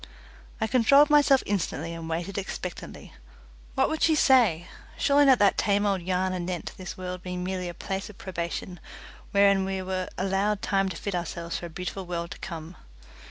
I controlled myself instantly and waited expectantly. What would she say? Surely not that tame old yarn anent this world being merely a place of probation, wherein we were allowed time to fit ourselves for a beautiful world to come.